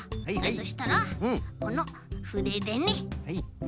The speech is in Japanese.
そしたらこのふででね。